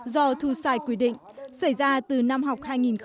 do thu sai quy định xảy ra từ năm học hai nghìn một mươi bốn hai nghìn một mươi năm